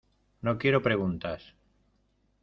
no quiero preguntas.